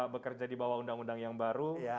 bekerja di bawah undang undang yang baru